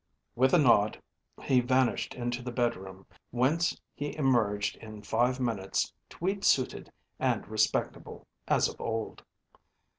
With a nod he vanished into the bedroom, whence he emerged in five minutes tweed suited and respectable, as of old.